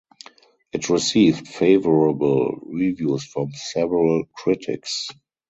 It received favorable reviews from several critics.